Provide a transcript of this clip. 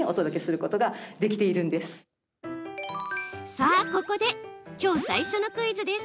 さあ、ここできょう最初のクイズです。